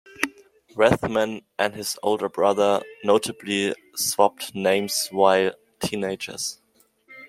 Rathmann and his older brother notably swapped names while teenagers.